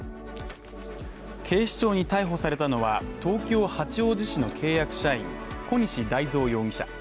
警視庁に逮捕されたのは、東京八王子市の契約社員、小西太造容疑者。